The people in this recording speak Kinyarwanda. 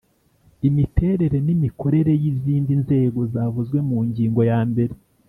imiterere n imikorere y izindi nzego zavuzwe mu ngingo ya mbere